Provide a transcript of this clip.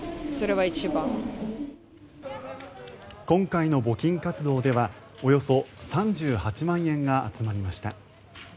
今回の募金活動ではおよそ３８万円が集まりました。